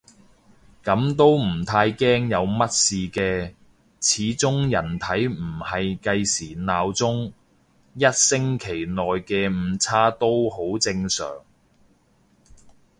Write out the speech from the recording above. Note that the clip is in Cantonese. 噉都唔太驚有乜事嘅，始終人體唔係計時鬧鐘，一星期內嘅誤差都好正常